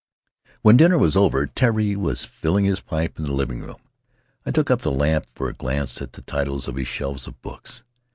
When dinner was over and Tari was filling his pipe in the living room I took up the lamp for a glance at the titles on his shelves of books.